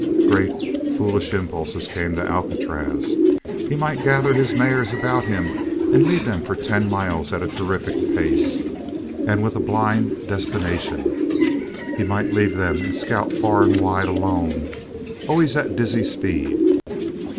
Great, foolish impulses came to Alcatraz; he might gather his mares about him and lead them for ten miles at a terrific pace and with a blind destination; he might leave them and scout far and wide, alone, always at dizzy speed.